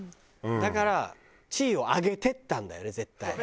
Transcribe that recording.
だから地位を上げていったんだよね絶対。